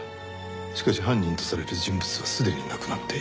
しかし犯人とされる人物はすでに亡くなっている。